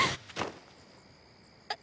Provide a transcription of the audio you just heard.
あっ⁉